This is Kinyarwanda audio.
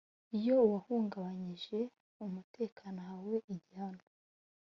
iyo uwahungabanyije umutekano ahawe igihano